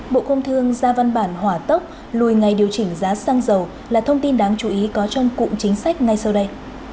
bộ công thương ra văn bản hỏa tốc lùi ngày điều chỉnh giá xăng dầu là thông tin đáng chú ý có trong cụm chính sách ngay sau đây